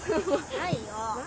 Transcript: ないよ。